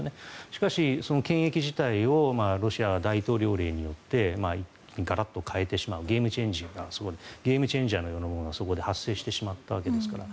しかし、権益自体をロシアは大統領令によってガラッと変えてしまうゲームチェンジャーのようなものがそこで発生してしまったわけですから。